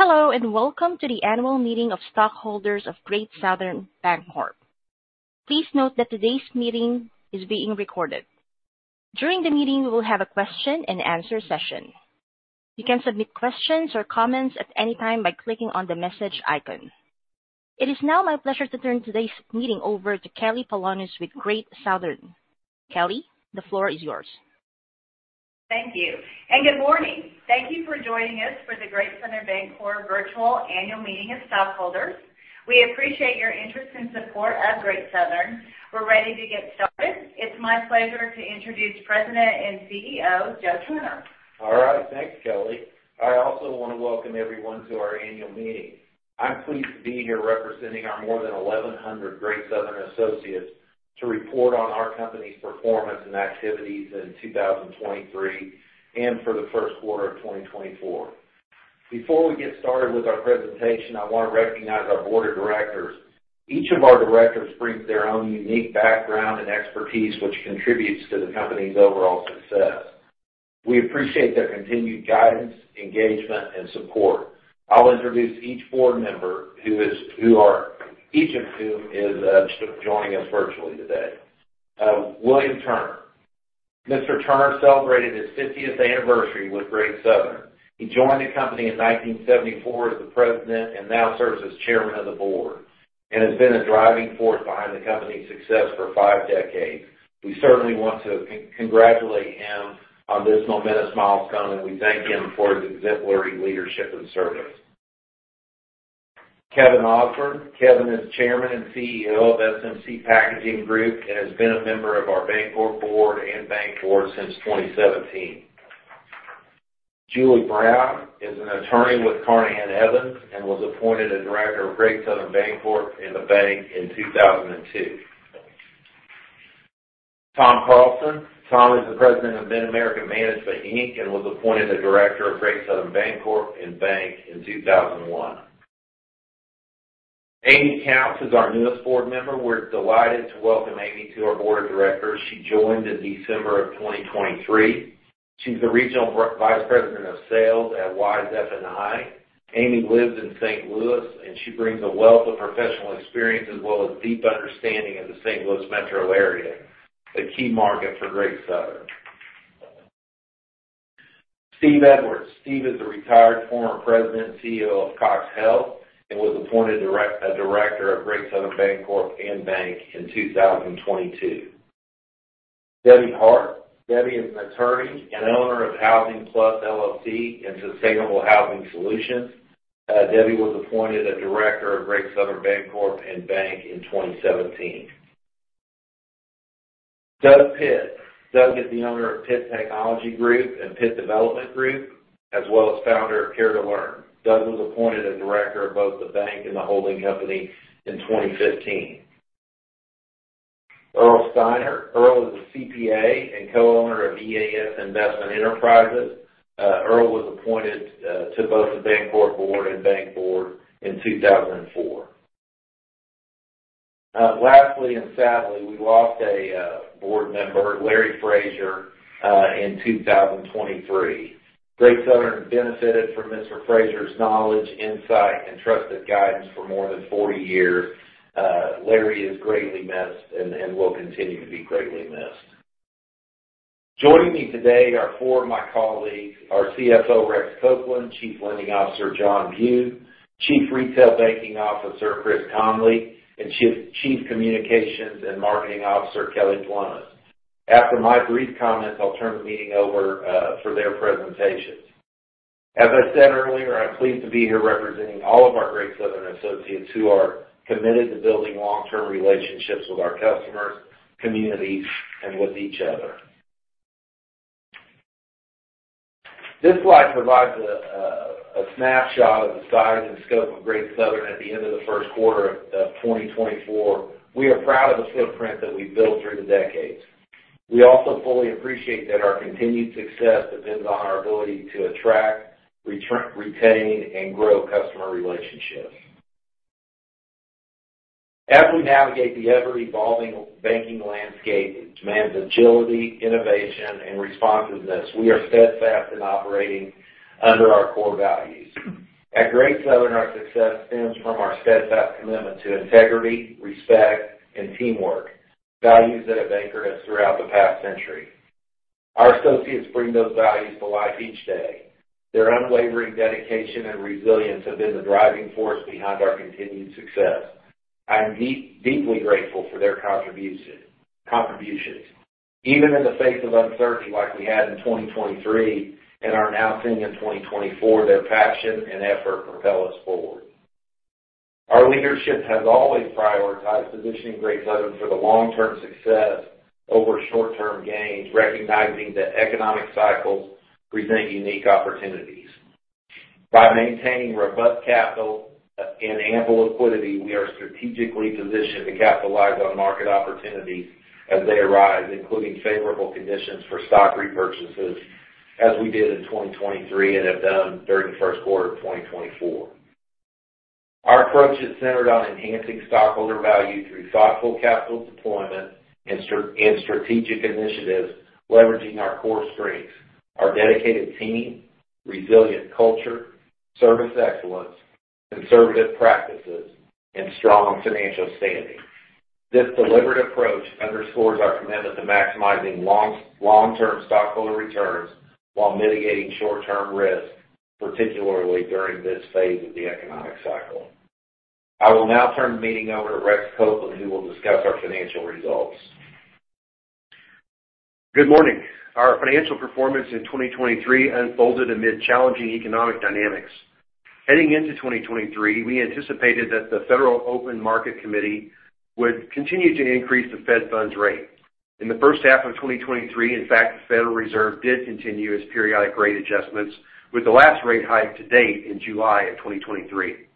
Hello and welcome to the annual meeting of stockholders of Great Southern Bancorp. Please note that today's meeting is being recorded. During the meeting, we will have a question-and-answer session. You can submit questions or comments at any time by clicking on the message icon. It is now my pleasure to turn today's meeting over to Kelly Polonus with Great Southern. Kelly, the floor is yours. Thank you, and good morning. Thank you for joining us for the Great Southern Bancorp virtual annual meeting of stockholders. We appreciate your interest and support of Great Southern. We're ready to get started. It's my pleasure to introduce President and CEO Joe Turner. All right, thanks, Kelly. I also want to welcome everyone to our annual meeting. I'm pleased to be here representing our more than 1,100 Great Southern associates to report on our company's performance and activities in 2023 and for the first quarter of 2024. Before we get started with our presentation, I want to recognize our board of directors. Each of our directors brings their own unique background and expertise, which contributes to the company's overall success. We appreciate their continued guidance, engagement, and support. I'll introduce each board member who is each of whom is joining us virtually today. William Turner. Mr. Turner celebrated his 50th anniversary with Great Southern. He joined the company in 1974 as the president and now serves as chairman of the board and has been a driving force behind the company's success for five decades. We certainly want to congratulate him on this momentous milestone, and we thank him for his exemplary leadership and service. Kevin Ausburn. Kevin is Chairman and CEO of SMC Packaging Group and has been a member of our Bancorp board and bank board since 2017. Julie Brown is an attorney with Carnahan Evans and was appointed a director of Great Southern Bancorp in the bank in 2002. Tom Carlson. Tom is the President of Mid-America Management, Inc., and was appointed a director of Great Southern Bancorp in the bank in 2001. Amy Counts is our newest board member. We're delighted to welcome Amy to our board of directors. She joined in December of 2023. She's the Regional Vice President of Sales at Wise F&I. Amy lives in St. Louis, and she brings a wealth of professional experience as well as deep understanding of the St. Louis metro area, a key market for Great Southern. Steve Edwards. Steve is a retired former president and CEO of CoxHealth and was appointed a director of Great Southern Bancorp and the bank in 2022. Debbie Hart. Debbie is an attorney and owner of Housing Plus, LLC and Sustainable Housing Solutions. Debbie was appointed a director of Great Southern Bancorp and the bank in 2017. Doug Pitt. Doug is the owner of Pitt Technology Group and Pitt Development Group, as well as founder of Care to Learn. Doug was appointed a director of both the bank and the holding company in 2015. Earl Steinert. Earl is a CPA and co-owner of EAS Investment Enterprises. Earl was appointed to both the Bancorp board and bank board in 2004. Lastly and sadly, we lost a board member, Larry Frazier, in 2023. Great Southern benefited from Mr. Frazier's knowledge, insight, and trusted guidance for more than 40 years. Larry is greatly missed and will continue to be greatly missed. Joining me today are four of my colleagues: our CFO, Rex Copeland; Chief Lending Officer, John Bugh; Chief Retail Banking Officer, Kris Conley; and Chief Communications and Marketing Officer, Kelly Polonus. After my brief comments, I'll turn the meeting over for their presentations. As I said earlier, I'm pleased to be here representing all of our Great Southern associates who are committed to building long-term relationships with our customers, communities, and with each other. This slide provides a snapshot of the size and scope of Great Southern at the end of the first quarter of 2024. We are proud of the footprint that we've built through the decades. We also fully appreciate that our continued success depends on our ability to attract, retain, and grow customer relationships. As we navigate the ever-evolving banking landscape that demands agility, innovation, and responsiveness, we are steadfast in operating under our core values. At Great Southern, our success stems from our steadfast commitment to integrity, respect, and teamwork, values that have anchored us throughout the past century. Our associates bring those values to life each day. Their unwavering dedication and resilience have been the driving force behind our continued success. I am deeply grateful for their contributions. Even in the face of uncertainty like we had in 2023 and are now seeing in 2024, their passion and effort propel us forward. Our leadership has always prioritized positioning Great Southern for the long-term success over short-term gains, recognizing that economic cycles present unique opportunities. By maintaining robust capital and ample liquidity, we are strategically positioned to capitalize on market opportunities as they arise, including favorable conditions for stock repurchases as we did in 2023 and have done during the first quarter of 2024. Our approach is centered on enhancing stockholder value through thoughtful capital deployment and strategic initiatives, leveraging our core strengths: our dedicated team, resilient culture, service excellence, conservative practices, and strong financial standing. This deliberate approach underscores our commitment to maximizing long-term stockholder returns while mitigating short-term risk, particularly during this phase of the economic cycle. I will now turn the meeting over to Rex Copeland, who will discuss our financial results. Good morning. Our financial performance in 2023 unfolded amid challenging economic dynamics. Heading into 2023, we anticipated that the Federal Open Market Committee would continue to increase the Fed funds rate. In the first half of 2023, in fact, the Federal Reserve did continue its periodic rate adjustments, with the last rate hike to date in July of 2023.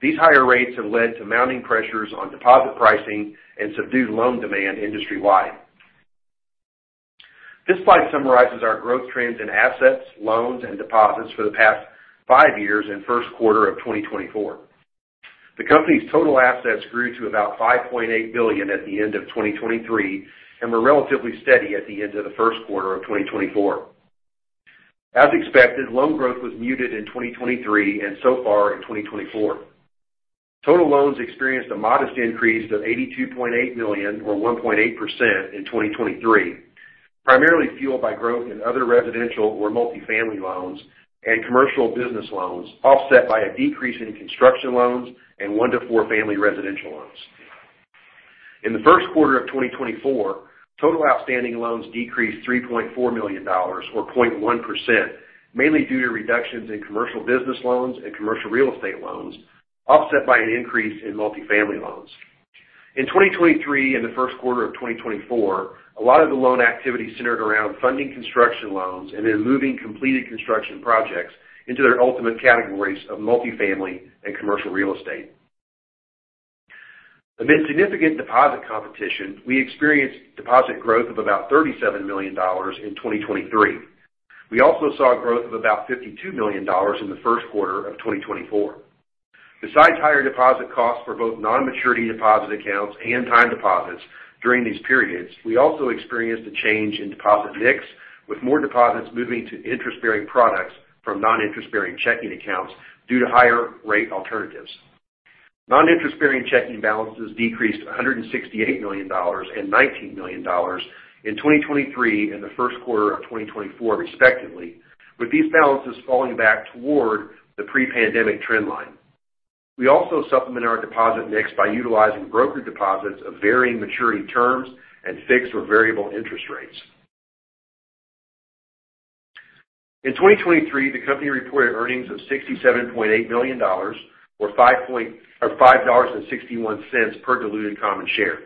These higher rates have led to mounting pressures on deposit pricing and subdued loan demand industry-wide. This slide summarizes our growth trends in assets, loans, and deposits for the past five years and first quarter of 2024. The company's total assets grew to about $5.8 billion at the end of 2023 and were relatively steady at the end of the first quarter of 2024. As expected, loan growth was muted in 2023 and so far in 2024. Total loans experienced a modest increase of $82.8 million or 1.8% in 2023, primarily fueled by growth in other residential or multifamily loans and commercial business loans, offset by a decrease in construction loans and one-four family residential loans. In the first quarter of 2024, total outstanding loans decreased $3.4 million or 0.1%, mainly due to reductions in commercial business loans and commercial real estate loans, offset by an increase in multifamily loans. In 2023 and the first quarter of 2024, a lot of the loan activity centered around funding construction loans and then moving completed construction projects into their ultimate categories of multifamily and commercial real estate. Amid significant deposit competition, we experienced deposit growth of about $37 million in 2023. We also saw growth of about $52 million in the first quarter of 2024. Besides higher deposit costs for both non-maturity deposit accounts and time deposits during these periods, we also experienced a change in deposit mix, with more deposits moving to interest-bearing products from non-interest-bearing checking accounts due to higher rate alternatives. Non-interest-bearing checking balances decreased $168 million and $19 million in 2023 and the first quarter of 2024, respectively, with these balances falling back toward the pre-pandemic trendline. We also supplement our deposit mix by utilizing broker deposits of varying maturity terms and fixed or variable interest rates. In 2023, the company reported earnings of $67.8 million or $5.61 per diluted common share.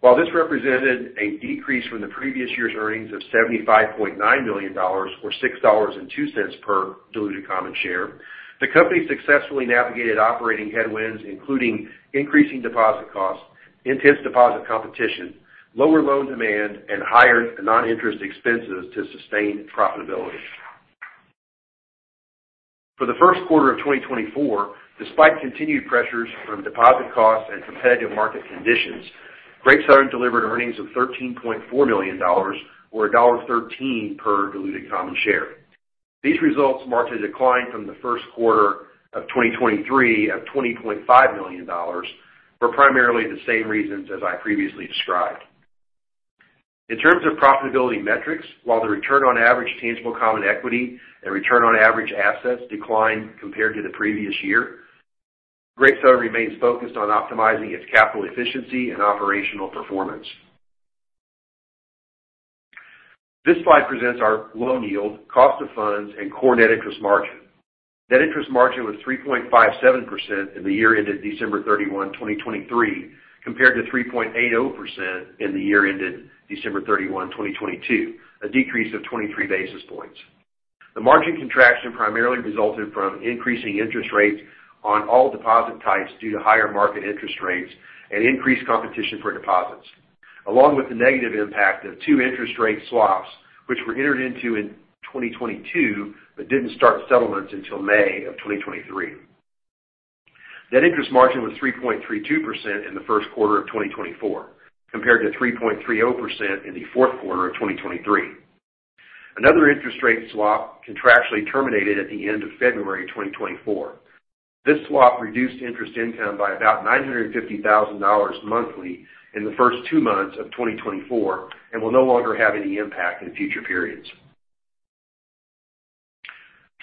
While this represented a decrease from the previous year's earnings of $75.9 million or $6.02 per diluted common share, the company successfully navigated operating headwinds, including increasing deposit costs, intense deposit competition, lower loan demand, and higher non-interest expenses to sustain profitability. For the first quarter of 2024, despite continued pressures from deposit costs and competitive market conditions, Great Southern delivered earnings of $13.4 million or $1.13 per diluted common share. These results marked a decline from the first quarter of 2023 of $20.5 million for primarily the same reasons as I previously described. In terms of profitability metrics, while the return on average tangible common equity and return on average assets declined compared to the previous year, Great Southern remains focused on optimizing its capital efficiency and operational performance. This slide presents our loan yield, cost of funds, and core net interest margin. Net interest margin was 3.57% in the year ended December 31, 2023, compared to 3.80% in the year ended December 31, 2022, a decrease of 23 basis points. The margin contraction primarily resulted from increasing interest rates on all deposit types due to higher market interest rates and increased competition for deposits, along with the negative impact of two interest rate swaps, which were entered into in 2022 but didn't start settlements until May of 2023. Net interest margin was 3.32% in the first quarter of 2024, compared to 3.30% in the fourth quarter of 2023. Another interest rate swap contractually terminated at the end of February 2024. This swap reduced interest income by about $950,000 monthly in the first two months of 2024 and will no longer have any impact in future periods.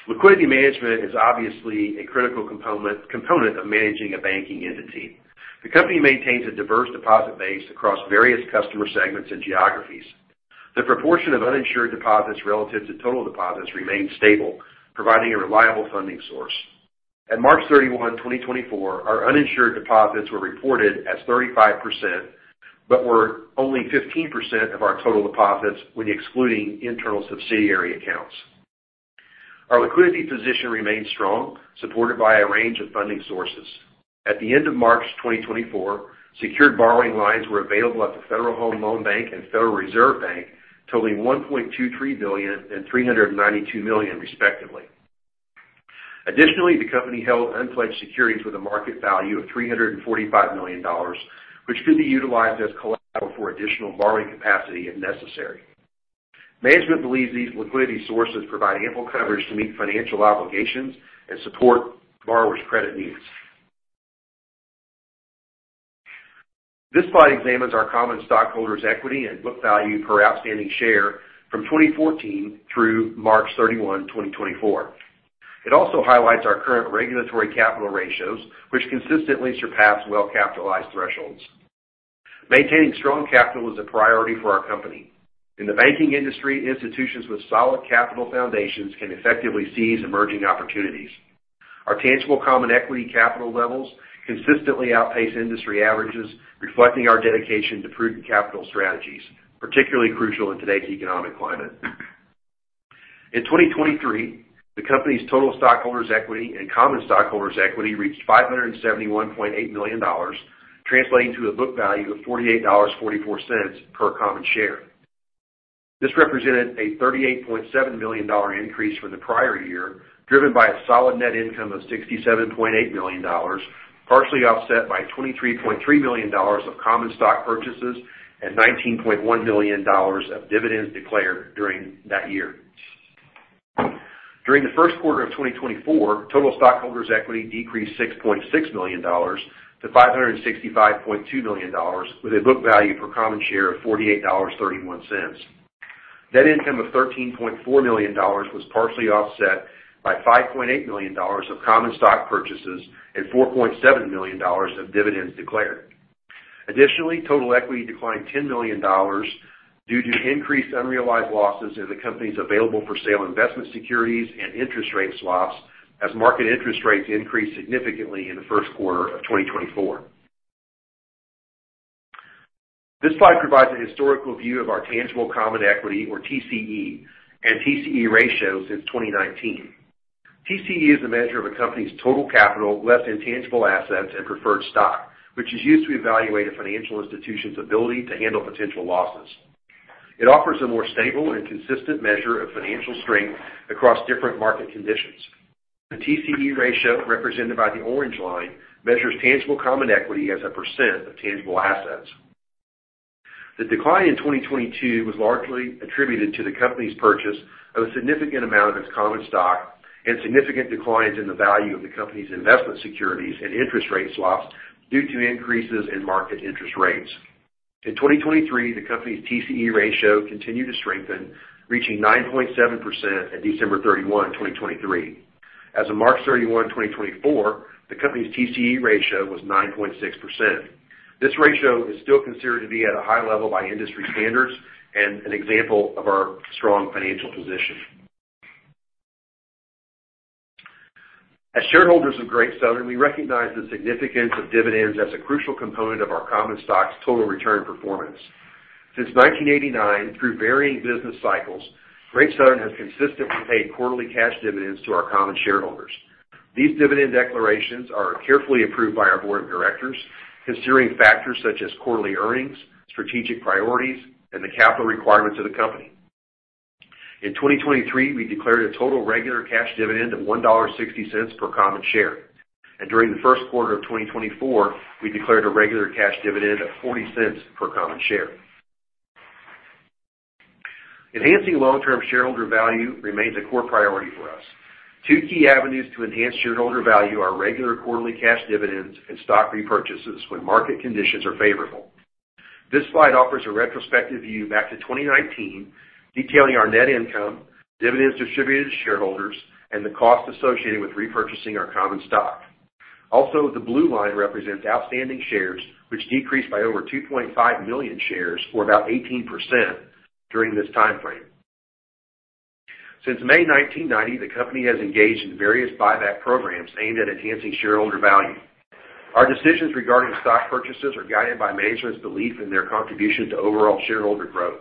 Liquidity management is obviously a critical component of managing a banking entity. The company maintains a diverse deposit base across various customer segments and geographies. The proportion of uninsured deposits relative to total deposits remains stable, providing a reliable funding source. At March 31, 2024, our uninsured deposits were reported as 35% but were only 15% of our total deposits when excluding internal subsidiary accounts. Our liquidity position remains strong, supported by a range of funding sources. At the end of March 2024, secured borrowing lines were available at the Federal Home Loan Bank and Federal Reserve Bank, totaling $1.23 billion and $392 million, respectively. Additionally, the company held unpledged securities with a market value of $345 million, which could be utilized as collateral for additional borrowing capacity if necessary. Management believes these liquidity sources provide ample coverage to meet financial obligations and support borrowers' credit needs. This slide examines our common stockholders' equity and book value per outstanding share from 2014 through March 31, 2024. It also highlights our current regulatory capital ratios, which consistently surpass well-capitalized thresholds. Maintaining strong capital is a priority for our company. In the banking industry, institutions with solid capital foundations can effectively seize emerging opportunities. Our tangible common equity capital levels consistently outpace industry averages, reflecting our dedication to prudent capital strategies, particularly crucial in today's economic climate. In 2023, the company's total stockholders' equity and common stockholders' equity reached $571.8 million, translating to a book value of $48.44 per common share. This represented a $38.7 million increase from the prior year, driven by a solid net income of $67.8 million, partially offset by $23.3 million of common stock purchases and $19.1 million of dividends declared during that year. During the first quarter of 2024, total stockholders' equity decreased $6.6 million to $565.2 million, with a book value per common share of $48.31. Net income of $13.4 million was partially offset by $5.8 million of common stock purchases and $4.7 million of dividends declared. Additionally, total equity declined $10 million due to increased unrealized losses in the company's available-for-sale investment securities and interest rate swaps as market interest rates increased significantly in the first quarter of 2024. This slide provides a historical view of our tangible common equity, or TCE, and TCE ratios since 2019. TCE is a measure of a company's total capital less intangibles and preferred stock, which is used to evaluate a financial institution's ability to handle potential losses. It offers a more stable and consistent measure of financial strength across different market conditions. The TCE ratio, represented by the orange line, measures tangible common equity as a % of tangible assets. The decline in 2022 was largely attributed to the company's purchase of a significant amount of its common stock and significant declines in the value of the company's investment securities and interest rate swaps due to increases in market interest rates. In 2023, the company's TCE ratio continued to strengthen, reaching 9.7% at December 31, 2023. As of March 31, 2024, the company's TCE ratio was 9.6%. This ratio is still considered to be at a high level by industry standards and an example of our strong financial position. As shareholders of Great Southern, we recognize the significance of dividends as a crucial component of our common stock's total return performance. Since 1989, through varying business cycles, Great Southern has consistently paid quarterly cash dividends to our common shareholders. These dividend declarations are carefully approved by our board of directors, considering factors such as quarterly earnings, strategic priorities, and the capital requirements of the company. In 2023, we declared a total regular cash dividend of $1.60 per common share, and during the first quarter of 2024, we declared a regular cash dividend of $0.40 per common share. Enhancing long-term shareholder value remains a core priority for us. Two key avenues to enhance shareholder value are regular quarterly cash dividends and stock repurchases when market conditions are favorable. This slide offers a retrospective view back to 2019, detailing our net income, dividends distributed to shareholders, and the cost associated with repurchasing our common stock. Also, the blue line represents outstanding shares, which decreased by over 2.5 million shares or about 18% during this time frame. Since May 1990, the company has engaged in various buyback programs aimed at enhancing shareholder value. Our decisions regarding stock purchases are guided by management's belief in their contribution to overall shareholder growth,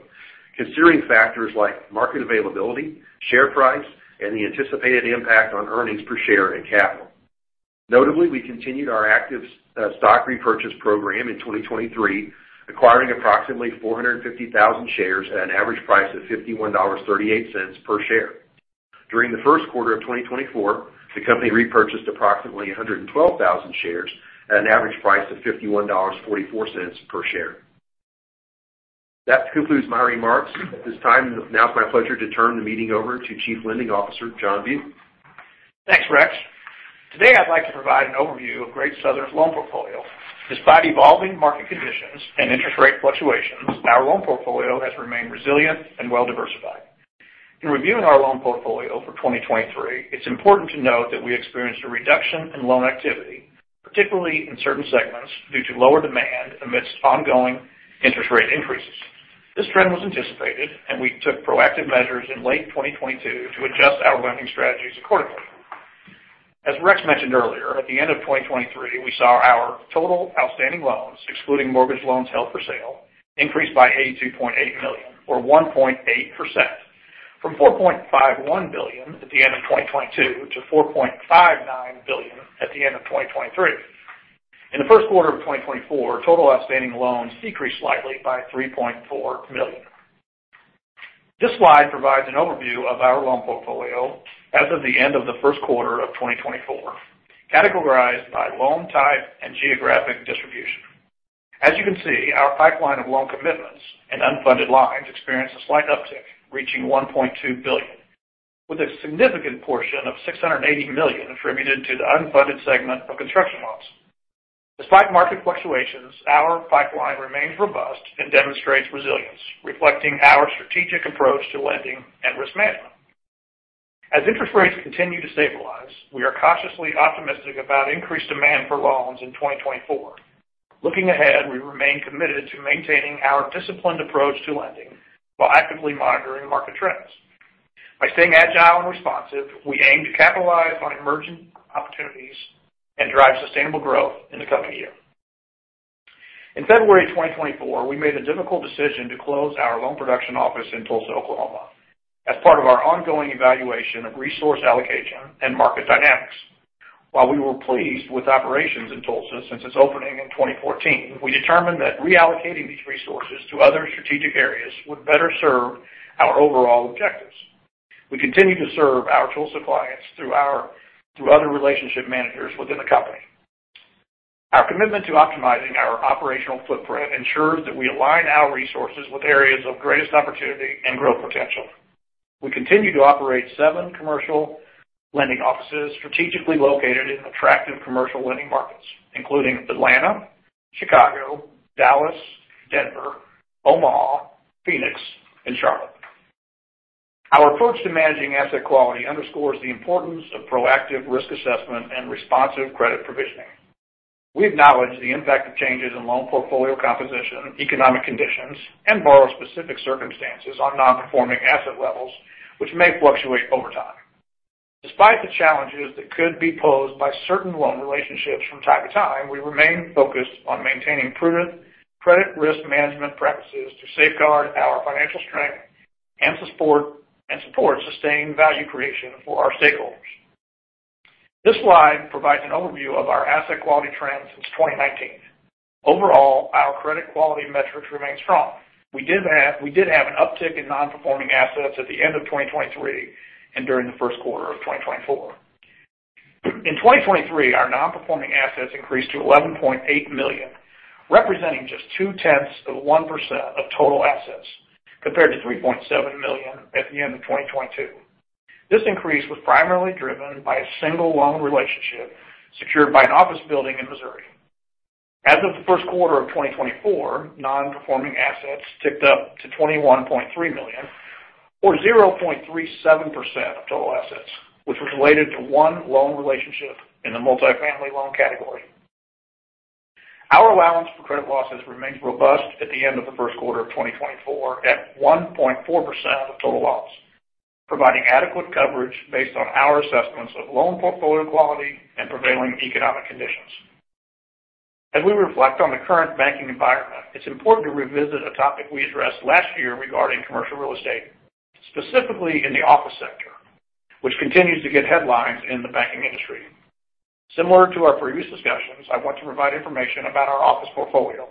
considering factors like market availability, share price, and the anticipated impact on earnings per share and capital. Notably, we continued our active stock repurchase program in 2023, acquiring approximately 450,000 shares at an average price of $51.38 per share. During the first quarter of 2024, the company repurchased approximately 112,000 shares at an average price of $51.44 per share. That concludes my remarks. At this time, now it's my pleasure to turn the meeting over to Chief Lending Officer John Bugh. Thanks, Rex. Today, I'd like to provide an overview of Great Southern's loan portfolio. Despite evolving market conditions and interest rate fluctuations, our loan portfolio has remained resilient and well-diversified. In reviewing our loan portfolio for 2023, it's important to note that we experienced a reduction in loan activity, particularly in certain segments due to lower demand amidst ongoing interest rate increases. This trend was anticipated, and we took proactive measures in late 2022 to adjust our lending strategies accordingly. As Rex mentioned earlier, at the end of 2023, we saw our total outstanding loans, excluding mortgage loans held for sale, increase by $82.8 million or 1.8%, from $4.51 billion at the end of 2022 to $4.59 billion at the end of 2023. In the first quarter of 2024, total outstanding loans decreased slightly by $3.4 million. This slide provides an overview of our loan portfolio as of the end of the first quarter of 2024, categorized by loan type and geographic distribution. As you can see, our pipeline of loan commitments and unfunded lines experienced a slight uptick, reaching $1.2 billion, with a significant portion of $680 million attributed to the unfunded segment of construction loans. Despite market fluctuations, our pipeline remains robust and demonstrates resilience, reflecting our strategic approach to lending and risk management. As interest rates continue to stabilize, we are cautiously optimistic about increased demand for loans in 2024. Looking ahead, we remain committed to maintaining our disciplined approach to lending while actively monitoring market trends. By staying agile and responsive, we aim to capitalize on emerging opportunities and drive sustainable growth in the coming year. In February 2024, we made a difficult decision to close our loan production office in Tulsa, Oklahoma, as part of our ongoing evaluation of resource allocation and market dynamics. While we were pleased with operations in Tulsa since its opening in 2014, we determined that reallocating these resources to other strategic areas would better serve our overall objectives. We continue to serve our Tulsa clients through other relationship managers within the company. Our commitment to optimizing our operational footprint ensures that we align our resources with areas of greatest opportunity and growth potential. We continue to operate seven commercial lending offices strategically located in attractive commercial lending markets, including Atlanta, Chicago, Dallas, Denver, Omaha, Phoenix, and Charlotte. Our approach to managing asset quality underscores the importance of proactive risk assessment and responsive credit provisioning. We acknowledge the impact of changes in loan portfolio composition, economic conditions, and borrower-specific circumstances on non-performing asset levels, which may fluctuate over time. Despite the challenges that could be posed by certain loan relationships from time to time, we remain focused on maintaining prudent credit risk management practices to safeguard our financial strength and support sustained value creation for our stakeholders. This slide provides an overview of our asset quality trend since 2019. Overall, our credit quality metrics remain strong. We did have an uptick in non-performing assets at the end of 2023 and during the first quarter of 2024. In 2023, our non-performing assets increased to $11.8 million, representing just 0.2% of total assets, compared to $3.7 million at the end of 2022. This increase was primarily driven by a single loan relationship secured by an office building in Missouri. As of the first quarter of 2024, non-performing assets ticked up to $21.3 million, or 0.37% of total assets, which was related to one loan relationship in the multifamily loan category. Our allowance for credit losses remains robust at the end of the first quarter of 2024 at 1.4% of total loans, providing adequate coverage based on our assessments of loan portfolio quality and prevailing economic conditions. As we reflect on the current banking environment, it's important to revisit a topic we addressed last year regarding commercial real estate, specifically in the office sector, which continues to get headlines in the banking industry. Similar to our previous discussions, I want to provide information about our office portfolio.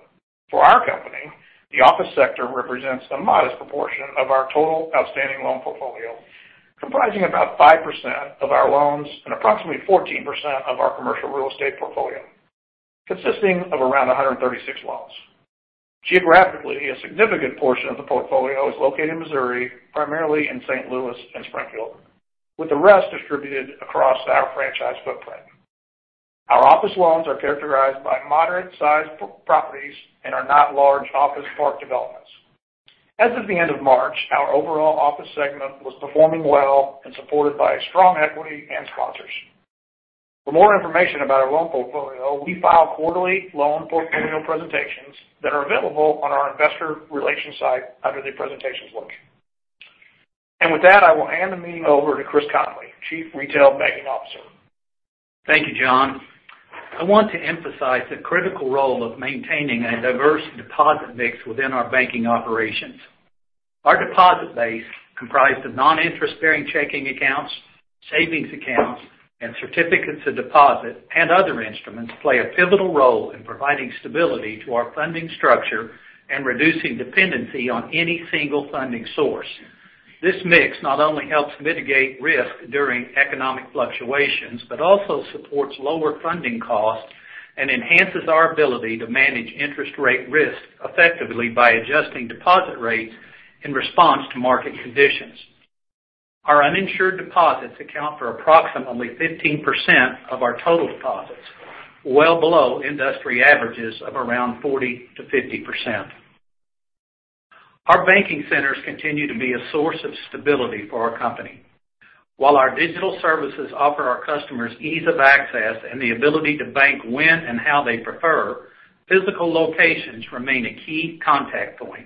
For our company, the office sector represents a modest proportion of our total outstanding loan portfolio, comprising about 5% of our loans and approximately 14% of our commercial real estate portfolio, consisting of around 136 loans. Geographically, a significant portion of the portfolio is located in Missouri, primarily in St. Louis and Springfield, with the rest distributed across our franchise footprint. Our office loans are characterized by moderate-sized properties and are not large office park developments. As of the end of March, our overall office segment was performing well and supported by strong equity and sponsors. For more information about our loan portfolio, we file quarterly loan portfolio presentations that are available on our investor relations site under the presentations link. With that, I will hand the meeting over to Kris Conley, Chief Retail Banking Officer. Thank you, John. I want to emphasize the critical role of maintaining a diverse deposit mix within our banking operations. Our deposit base, comprised of non-interest-bearing checking accounts, savings accounts, and certificates of deposit, and other instruments, plays a pivotal role in providing stability to our funding structure and reducing dependency on any single funding source. This mix not only helps mitigate risk during economic fluctuations but also supports lower funding costs and enhances our ability to manage interest rate risk effectively by adjusting deposit rates in response to market conditions. Our uninsured deposits account for approximately 15% of our total deposits, well below industry averages of around 40%-50%. Our banking centers continue to be a source of stability for our company. While our digital services offer our customers ease of access and the ability to bank when and how they prefer, physical locations remain a key contact point.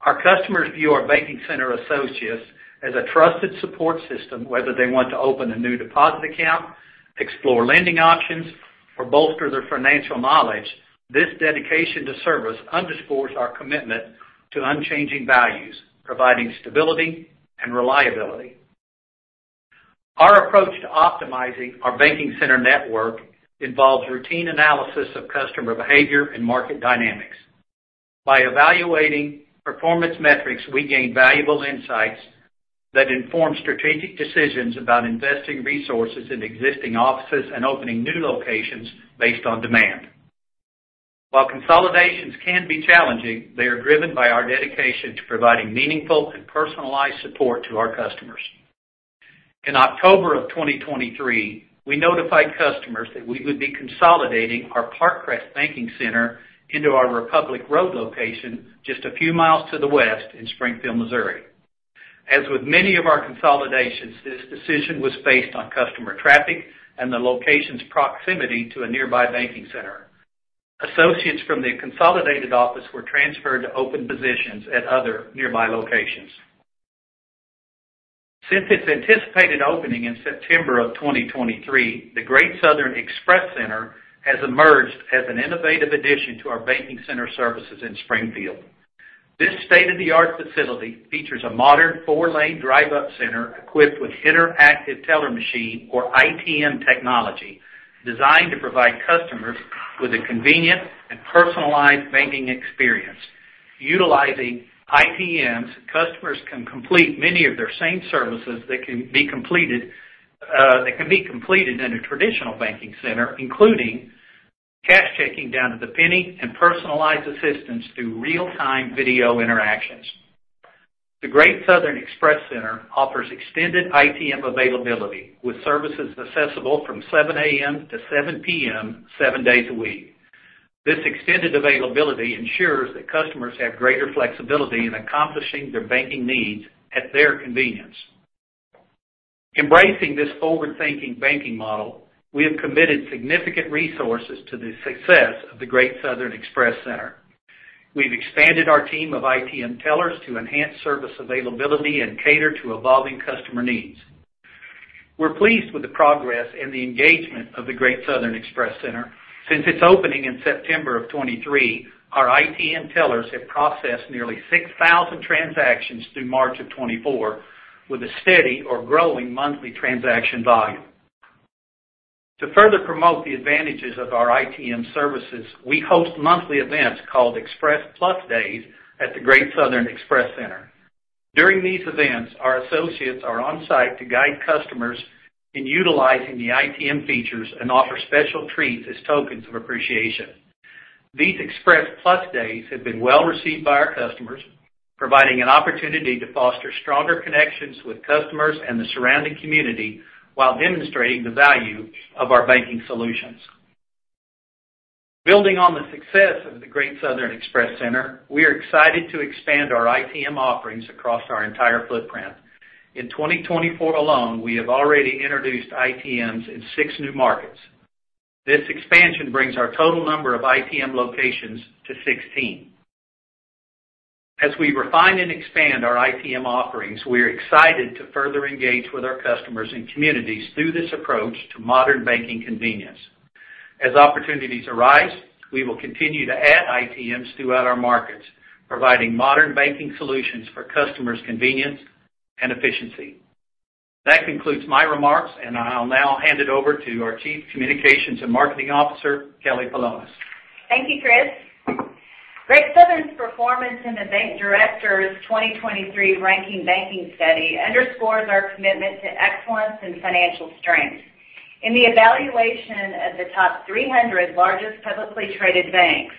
Our customers view our banking center associates as a trusted support system. Whether they want to open a new deposit account, explore lending options, or bolster their financial knowledge, this dedication to service underscores our commitment to unchanging values, providing stability and reliability. Our approach to optimizing our banking center network involves routine analysis of customer behavior and market dynamics. By evaluating performance metrics, we gain valuable insights that inform strategic decisions about investing resources in existing offices and opening new locations based on demand. While consolidations can be challenging, they are driven by our dedication to providing meaningful and personalized support to our customers. In October of 2023, we notified customers that we would be consolidating our Parkcrest Banking Center into our Republic Road location just a few miles to the west in Springfield, Missouri. As with many of our consolidations, this decision was based on customer traffic and the location's proximity to a nearby banking center. Associates from the consolidated office were transferred to open positions at other nearby locations. Since its anticipated opening in September of 2023, the Great Southern Express Center has emerged as an innovative addition to our banking center services in Springfield. This state-of-the-art facility features a modern four-lane drive-up center equipped with interactive teller machine, or ITM, technology designed to provide customers with a convenient and personalized banking experience. Utilizing ITMs, customers can complete many of their same services that can be completed in a traditional banking center, including cash checking down to the penny and personalized assistance through real-time video interactions. The Great Southern Express Center offers extended ITM availability with services accessible from 7:00 A.M. - 7:00 P.M., seven days a week This extended availability ensures that customers have greater flexibility in accomplishing their banking needs at their convenience. Embracing this forward-thinking banking model, we have committed significant resources to the success of the Great Southern Express Center. We've expanded our team of ITM tellers to enhance service availability and cater to evolving customer needs. We're pleased with the progress and the engagement of the Great Southern Express Center. Since its opening in September of 2023, our ITM tellers have processed nearly 6,000 transactions through March of 2024, with a steady or growing monthly transaction volume. To further promote the advantages of our ITM services, we host monthly events called Express Plus Days at the Great Southern Express Center. During these events, our associates are on site to guide customers in utilizing the ITM features and offer special treats as tokens of appreciation. These Express Plus Days have been well received by our customers, providing an opportunity to foster stronger connections with customers and the surrounding community while demonstrating the value of our banking solutions. Building on the success of the Great Southern Express Center, we are excited to expand our ITM offerings across our entire footprint. In 2024 alone, we have already introduced ITMs in six new markets. This expansion brings our total number of ITM locations to 16. As we refine and expand our ITM offerings, we are excited to further engage with our customers and communities through this approach to modern banking convenience. As opportunities arise, we will continue to add ITMs throughout our markets, providing modern banking solutions for customers' convenience and efficiency. That concludes my remarks, and I'll now hand it over to our Chief Communications and Marketing Officer, Kelly Polonus. Thank you, Kris. Great Southern's performance in the Bank Director's 2023 Ranking Banking study underscores our commitment to excellence and financial strength. In the evaluation of the top 300 largest publicly traded banks,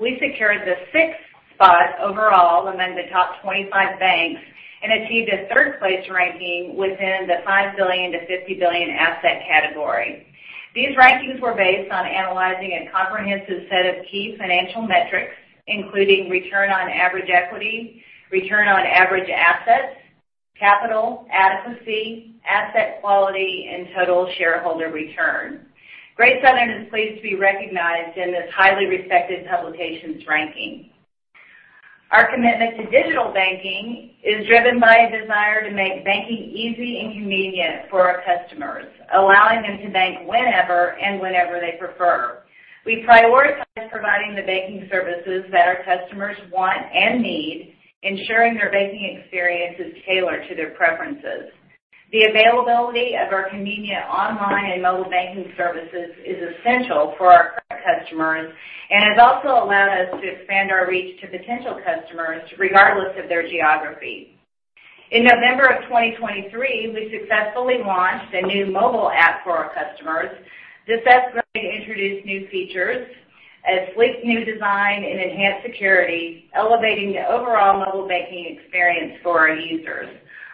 we secured the sixth spot overall among the top 25 banks and achieved a third-place ranking within the $5 billion-$50 billion asset category. These rankings were based on analyzing a comprehensive set of key financial metrics, including return on average equity, return on average assets, capital adequacy, asset quality, and total shareholder return. Great Southern is pleased to be recognized in this highly respected publication's ranking. Our commitment to digital banking is driven by a desire to make banking easy and convenient for our customers, allowing them to bank whenever and wherever they prefer. We prioritize providing the banking services that our customers want and need, ensuring their banking experience is tailored to their preferences. The availability of our convenient online and mobile banking services is essential for our current customers and has also allowed us to expand our reach to potential customers regardless of their geography. In November of 2023, we successfully launched a new mobile app for our customers. This upgrade introduced new features as sleek new design and enhanced security, elevating the overall mobile banking experience for our users.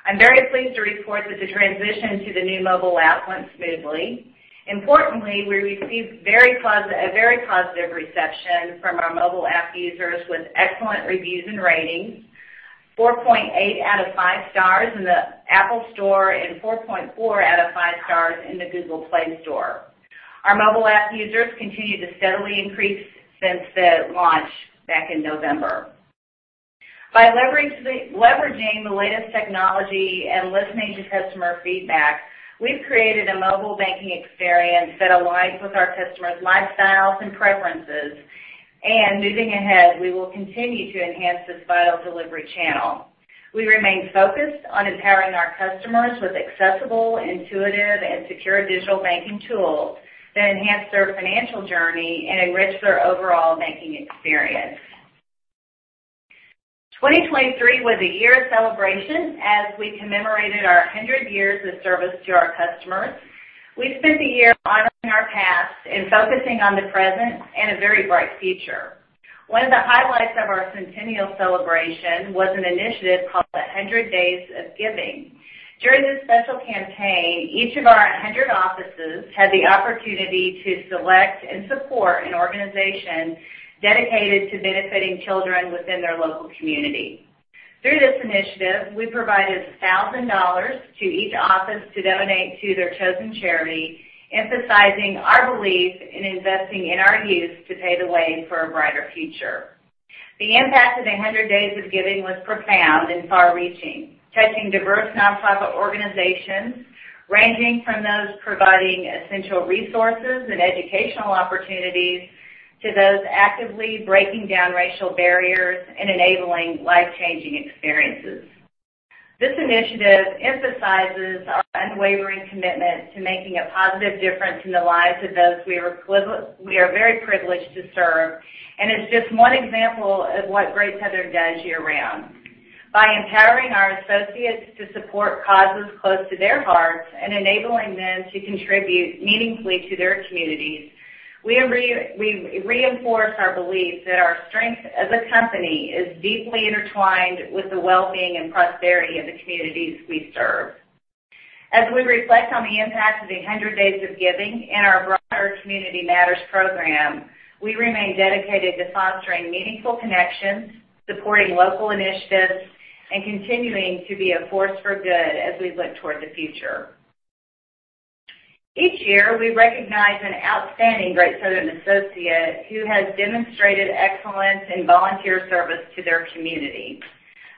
I'm very pleased to report that the transition to the new mobile app went smoothly. Importantly, we received a very positive reception from our mobile app users with excellent reviews and ratings, 4.8 out of 5 stars in the Apple Store and 4.4 out of 5 stars in the Google Play Store. Our mobile app users continue to steadily increase since the launch back in November. By leveraging the latest technology and listening to customer feedback, we've created a mobile banking experience that aligns with our customers' lifestyles and preferences. Moving ahead, we will continue to enhance this vital delivery channel. We remain focused on empowering our customers with accessible, intuitive, and secure digital banking tools that enhance their financial journey and enrich their overall banking experience. 2023 was a year of celebration as we commemorated our 100 years of service to our customers. We spent the year honoring our past and focusing on the present and a very bright future. One of the highlights of our centennial celebration was an initiative called the 100 Days of Giving. During this special campaign, each of our 100 offices had the opportunity to select and support an organization dedicated to benefiting children within their local community. Through this initiative, we provided $1,000 to each office to donate to their chosen charity, emphasizing our belief in investing in our youth to pave the way for a brighter future. The impact of the 100 Days of Giving was profound and far-reaching, touching diverse nonprofit organizations ranging from those providing essential resources and educational opportunities to those actively breaking down racial barriers and enabling life-changing experiences. This initiative emphasizes our unwavering commitment to making a positive difference in the lives of those we are very privileged to serve and is just one example of what Great Southern does year-round. By empowering our associates to support causes close to their hearts and enabling them to contribute meaningfully to their communities, we reinforce our belief that our strength as a company is deeply intertwined with the well-being and prosperity of the communities we serve. As we reflect on the impact of the 100 Days of Giving and our broader Community Matters program, we remain dedicated to fostering meaningful connections, supporting local initiatives, and continuing to be a force for good as we look toward the future. Each year, we recognize an outstanding Great Southern associate who has demonstrated excellence in volunteer service to their community.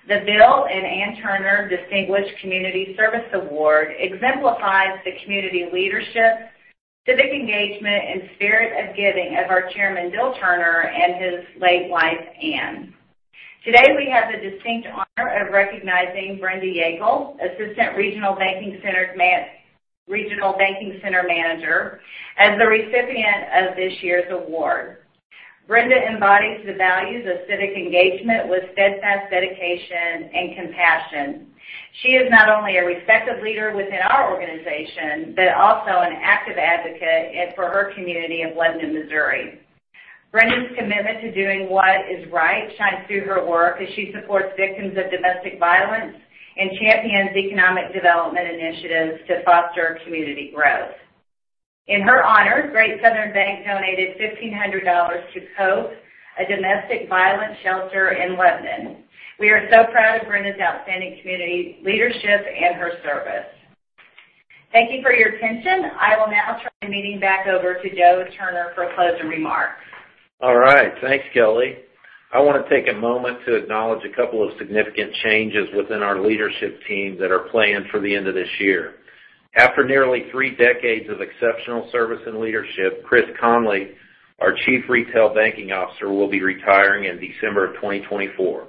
The Bill and Ann Turner Distinguished Community Service Award exemplifies the community leadership, civic engagement, and spirit of giving of our Chairman Bill Turner and his late wife, Ann. Today, we have the distinct honor of recognizing Brenda Yakle, Assistant Regional Banking Center Manager, as the recipient of this year's award. Brenda embodies the values of civic engagement with steadfast dedication and compassion. She is not only a respected leader within our organization but also an active advocate for her community of Lebanon, Missouri Brenda's commitment to doing what is right shines through her work as she supports victims of domestic violence and champions economic development initiatives to foster community growth. In her honor, Great Southern Bank donated $1,500 to COPE, a domestic violence shelter in Lebanon. We are so proud of Brenda's outstanding community leadership and her service. Thank you for your attention. I will now turn the meeting back over to Joe Turner for closing remarks. All right. Thanks, Kelly. I want to take a moment to acknowledge a couple of significant changes within our leadership team that are planned for the end of this year. After nearly three decades of exceptional service and leadership, Kris Conley, our Chief Retail Banking Officer, will be retiring in December of 2024.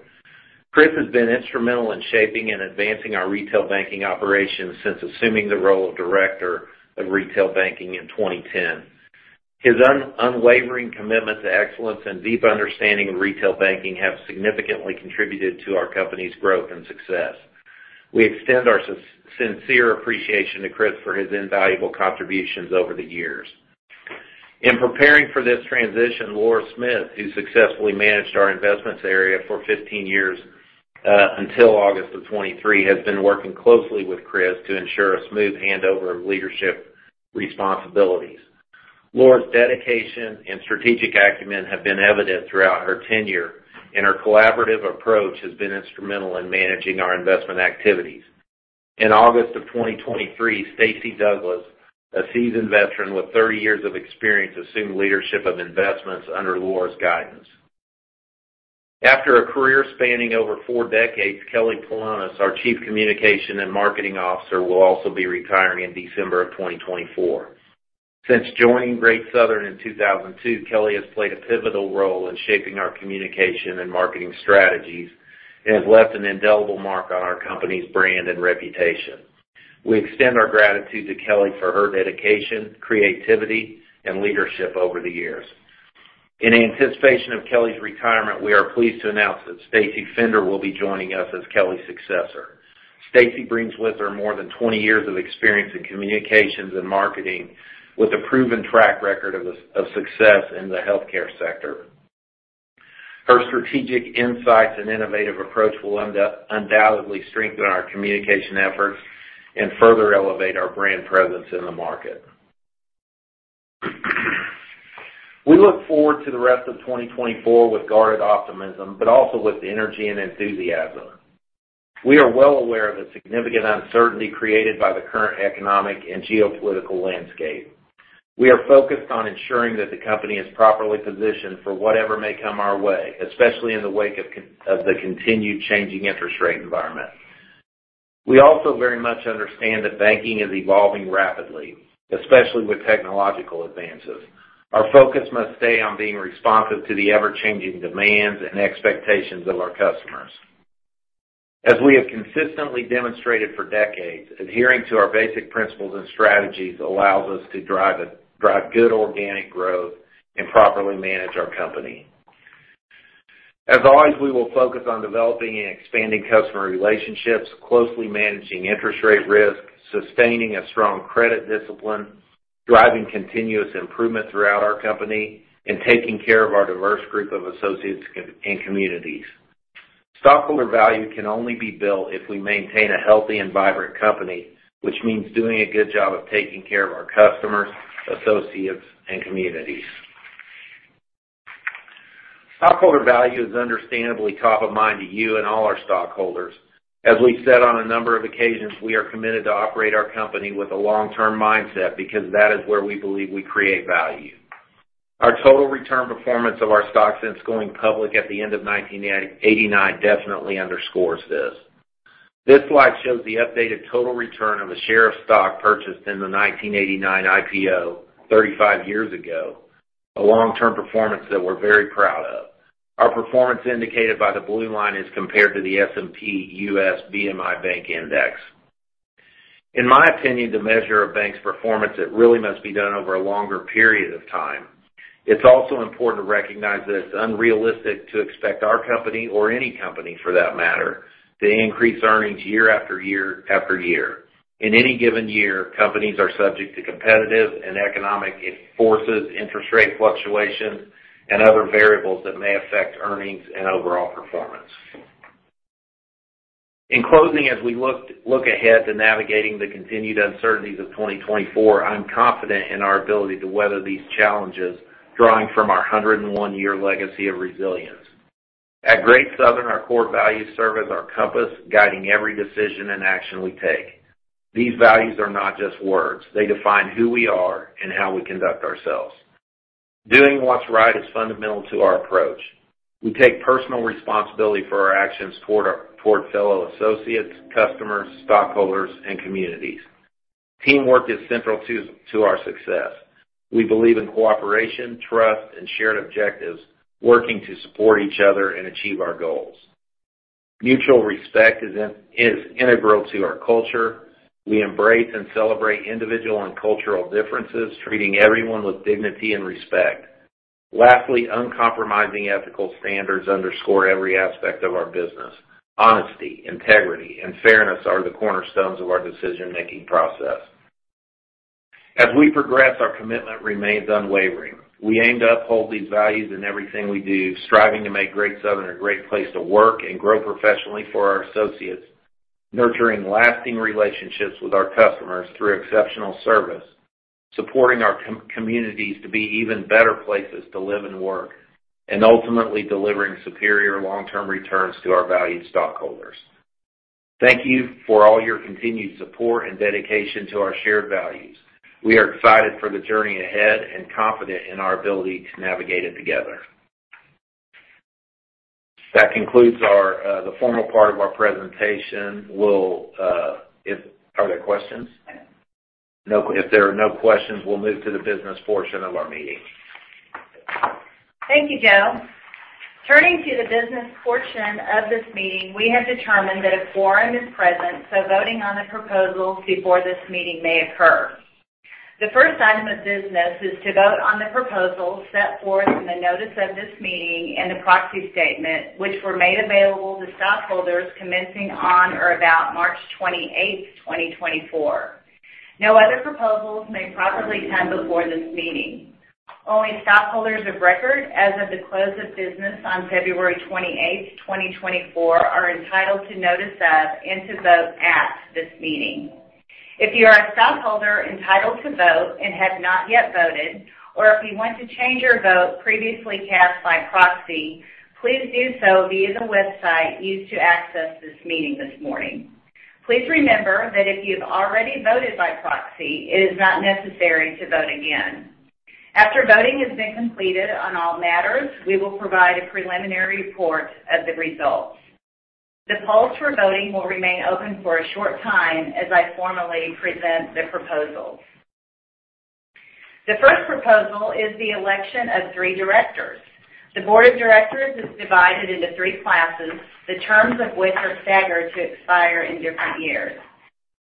Kris has been instrumental in shaping and advancing our retail banking operations since assuming the role of Director of Retail Banking in 2010. His unwavering commitment to excellence and deep understanding of retail banking have significantly contributed to our company's growth and success. We extend our sincere appreciation to Kris for his invaluable contributions over the years. In preparing for this transition, Laura Smith, who successfully managed our investments area for 15 years until August of 2023, has been working closely with Kris to ensure a smooth handover of leadership responsibilities. Laura's dedication and strategic acumen have been evident throughout her tenure, and her collaborative approach has been instrumental in managing our investment activities. In August of 2023, Stacey Douglas, a seasoned veteran with 30 years of experience, assumed leadership of investments under Laura's guidance. After a career spanning over four decades, Kelly Polonus, our Chief Communications and Marketing Officer, will also be retiring in December of 2024. Since joining Great Southern in 2002, Kelly has played a pivotal role in shaping our communication and marketing strategies and has left an indelible mark on our company's brand and reputation. We extend our gratitude to Kelly for her dedication, creativity, and leadership over the years. In anticipation of Kelly's retirement, we are pleased to announce that Stacy Fender will be joining us as Kelly's successor. Stacy Fender brings with her more than 20 years of experience in communications and marketing with a proven track record of success in the healthcare sector. Her strategic insights and innovative approach will undoubtedly strengthen our communication efforts and further elevate our brand presence in the market. We look forward to the rest of 2024 with guarded optimism but also with energy and enthusiasm. We are well aware of the significant uncertainty created by the current economic and geopolitical landscape. We are focused on ensuring that the company is properly positioned for whatever may come our way, especially in the wake of the continued changing interest rate environment. We also very much understand that banking is evolving rapidly, especially with technological advances. Our focus must stay on being responsive to the ever-changing demands and expectations of our customers. As we have consistently demonstrated for decades, adhering to our basic principles and strategies allows us to drive good organic growth and properly manage our company. As always, we will focus on developing and expanding customer relationships, closely managing interest rate risk, sustaining a strong credit discipline, driving continuous improvement throughout our company, and taking care of our diverse group of associates and communities. Stockholder value can only be built if we maintain a healthy and vibrant company, which means doing a good job of taking care of our customers, associates, and communities. Stockholder value is understandably top of mind to you and all our stockholders. As we've said on a number of occasions, we are committed to operate our company with a long-term mindset because that is where we believe we create value. Our total return performance of our stock since going public at the end of 1989 definitely underscores this. This slide shows the updated total return of a share of stock purchased in the 1989 IPO 35 years ago, a long-term performance that we're very proud of. Our performance indicated by the blue line is compared to the S&P U.S. BMI Bank Index. In my opinion, the measure of banks' performance, it really must be done over a longer period of time. It's also important to recognize that it's unrealistic to expect our company or any company, for that matter, to increase earnings year after year after year. In any given year, companies are subject to competitive and economic forces, interest rate fluctuations, and other variables that may affect earnings and overall performance. In closing, as we look ahead to navigating the continued uncertainties of 2024, I'm confident in our ability to weather these challenges drawing from our 101-year legacy of resilience. At Great Southern, our core values serve as our compass guiding every decision and action we take. These values are not just words. They define who we are and how we conduct ourselves. Doing what's right is fundamental to our approach. We take personal responsibility for our actions toward fellow associates, customers, stockholders, and communities. Teamwork is central to our success. We believe in cooperation, trust, and shared objectives, working to support each other and achieve our goals. Mutual respect is integral to our culture. We embrace and celebrate individual and cultural differences, treating everyone with dignity and respect. Lastly, uncompromising ethical standards underscore every aspect of our business. Honesty, integrity, and fairness are the cornerstones of our decision-making process. As we progress, our commitment remains unwavering. We aim to uphold these values in everything we do, striving to make Great Southern a great place to work and grow professionally for our associates, nurturing lasting relationships with our customers through exceptional service, supporting our communities to be even better places to live and work, and ultimately delivering superior long-term returns to our valued stockholders. Thank you for all your continued support and dedication to our shared values. We are excited for the journey ahead and confident in our ability to navigate it together. That concludes the formal part of our presentation. Are there questions? If there are no questions, we'll move to the business portion of our meeting. Thank you, Joe. Turning to the business portion of this meeting, we have determined that a quorum is present, so voting on the proposals before this meeting may occur. The first item of business is to vote on the proposals set forth in the notice of this meeting and the proxy statement, which were made available to stockholders commencing on or about March 28th, 2024. No other proposals may properly come before this meeting. Only stockholders of record, as of the close of business on February 28th, 2024, are entitled to notice of and to vote at this meeting. If you are a stockholder entitled to vote and have not yet voted, or if you want to change your vote previously cast by proxy, please do so via the website used to access this meeting this morning. Please remember that if you have already voted by proxy, it is not necessary to vote again. After voting has been completed on all matters, we will provide a preliminary report of the results. The polls for voting will remain open for a short time as I formally present the proposals. The first proposal is the election of three directors. The board of directors is divided into three classes, the terms of which are staggered to expire in different years.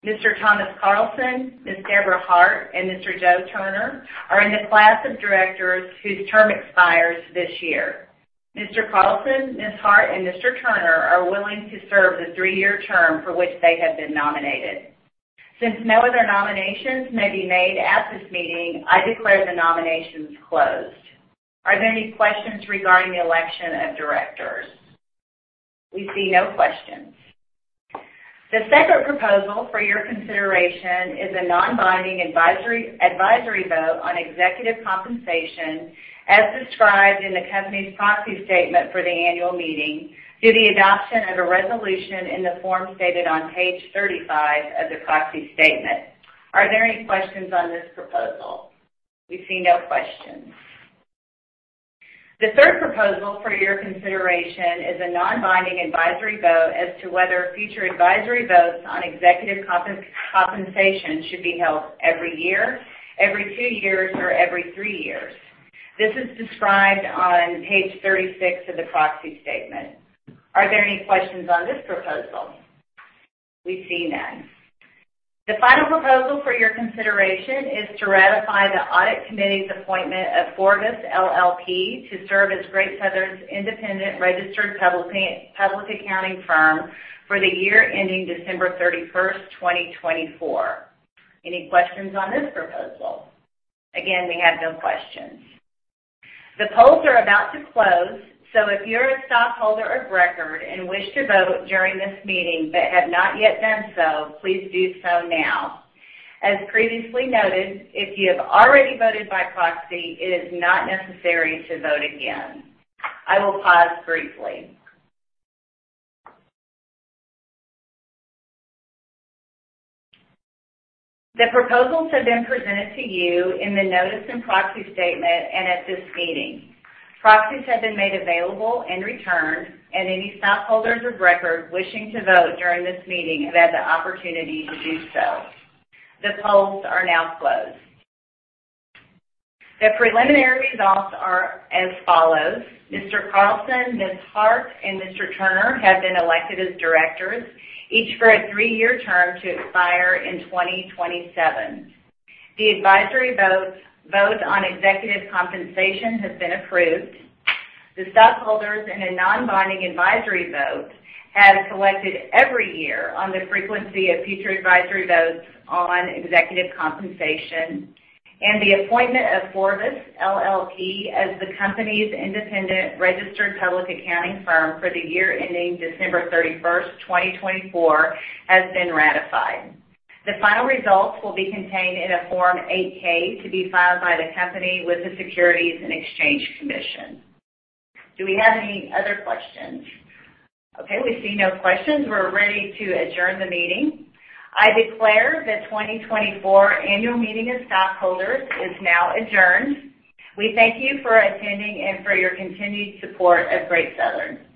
Mr. Thomas Carlson, Ms. Debra Hart, and Mr. Joe Turner are in the class of directors whose term expires this year. Mr. Carlson, Ms. Hart, and Mr. Turner are willing to serve the three-year term for which they have been nominated. Since no other nominations may be made at this meeting, I declare the nominations closed. Are there any questions regarding the election of directors? We see no questions. The second proposal for your consideration is a non-binding advisory vote on executive compensation as described in the company's proxy statement for the annual meeting through the adoption of a resolution in the form stated on page 35 of the proxy statement. Are there any questions on this proposal? We see no questions. The third proposal for your consideration is a non-binding advisory vote as to whether future advisory votes on executive compensation should be held every year, every two years, or every three years. This is described on page 36 of the proxy statement. Are there any questions on this proposal? We see none. The final proposal for your consideration is to ratify the audit committee's appointment of FORVIS, LLP to serve as Great Southern's independent registered public accounting firm for the year ending December 31st, 2024. Any questions on this proposal? Again, we have no questions. The polls are about to close, so if you're a stockholder of record and wish to vote during this meeting but have not yet done so, please do so now. As previously noted, if you have already voted by proxy, it is not necessary to vote again. I will pause briefly. The proposals have been presented to you in the notice and proxy statement and at this meeting. Proxies have been made available and returned, and any stockholders of record wishing to vote during this meeting have had the opportunity to do so. The polls are now closed. The preliminary results are as follows. Mr. Carlson, Ms. Hart, and Mr. Turner have been elected as directors, each for a three-year term to expire in 2027. The advisory vote on executive compensation has been approved. The stockholders in a non-binding advisory vote have collected every year on the frequency of future advisory votes on executive compensation, and the appointment of FORVIS, LLP as the company's independent registered public accounting firm for the year ending December 31st, 2024, has been ratified. The final results will be contained in a Form 8-K to be filed by the company with the Securities and Exchange Commission. Do we have any other questions? Okay, we see no questions. We're ready to adjourn the meeting. I declare the 2024 annual meeting of stockholders is now adjourned. We thank you for attending and for your continued support of Great Southern.